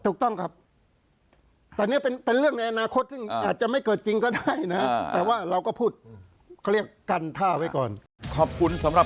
ถูกต้องครับแต่เนี่ยเป็นเรื่องในอนาคตอาจจะไม่เกิดจริงก็ได้นะ